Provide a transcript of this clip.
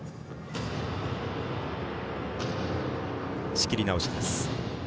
仕切り直しです。